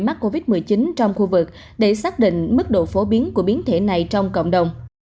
mắc covid một mươi chín trong khu vực để xác định mức độ phổ biến của biến thể này trong cộng đồng